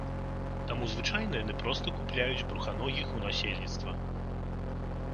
Таму звычайна яны проста купляюць бруханогіх у насельніцтва.